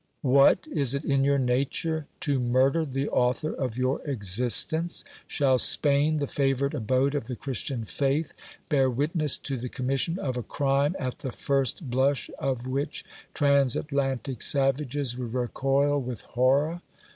What ! is it in your nature to murder the author of your existence? Shall Spain, the favoured abode of the Christian faith, bear witness to the commission of a crime, at the first blush of which transatlantic savages would recoil with horror?